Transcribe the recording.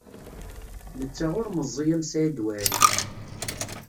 Netta ur meẓẓiy am Saɛid Waɛli.